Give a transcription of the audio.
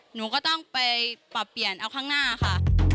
หนูก็ต้องไปปรับเปลี่ยนเอาข้างหน้าค่ะ